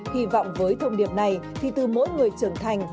hy vọng với thông điệp này thì từ mỗi người trưởng thành